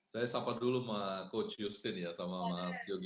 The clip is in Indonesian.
saya sapa dulu sama coach justin ya sama mas yogi